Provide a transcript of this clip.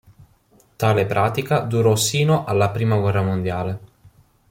Tale pratica durò sino alla prima guerra mondiale.